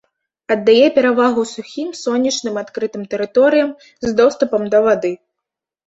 Аддае перавагу сухім сонечным адкрытым тэрыторыям з доступам да вады.